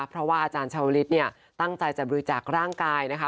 เพราะว่าอาจารย์ชาวฤทธิ์ตั้งใจจะบริจักษ์ร่างกายนะคะ